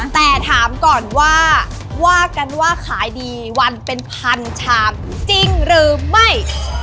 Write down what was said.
แต่ถามก่อนว่าว่ากันว่าขายดีวันเป็นพันชามจริงหรือไม่